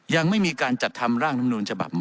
ยังไม่มีการจัดทำร่างลำนูลฉบับใหม่